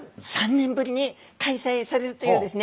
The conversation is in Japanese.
３年ぶりに開催されるというですね